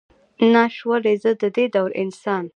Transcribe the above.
ناش ولئ، زه ددې دور انسان.